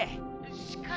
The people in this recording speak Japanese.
「しかし」。